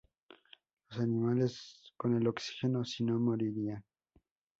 Los animales con el oxígeno sino, morirían.